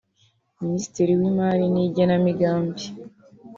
Minisitiri w’Imari n’Igenamigambi